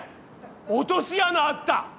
落とし穴あった！